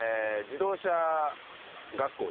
自動車学校？